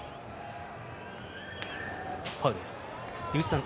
井口さん